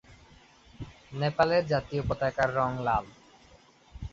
নেপালের জাতীয় পতাকার রং লাল।